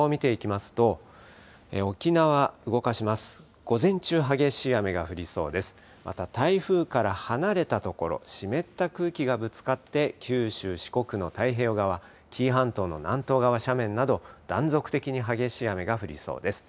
また、台風から離れた所、湿った空気がぶつかって、九州、四国の太平洋側、紀伊半島の南東側斜面など、断続的に激しい雨が降りそうです。